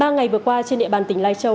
ba ngày vừa qua trên địa bàn tỉnh lai châu